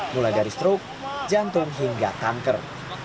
mulai dari strok jantung hingga tanker